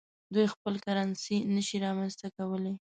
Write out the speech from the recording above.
دوی خپل کرنسي نشي رامنځته کولای.